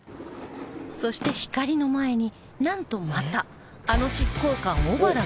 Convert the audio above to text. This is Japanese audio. そしてひかりの前になんとまたあの執行官小原が出現